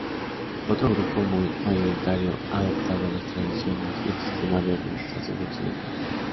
Otro grupo muy mayoritario ha adoptado las tradiciones y el sistema de organización occidental.